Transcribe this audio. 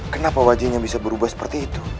kenapa wajahnya bisa berubah seperti itu